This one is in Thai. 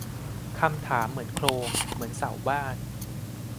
คำถามเหมือนโครงเหมือนเสาบ้าน